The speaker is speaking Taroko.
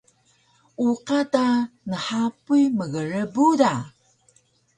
Uqa ta nhapuy mgrbu da!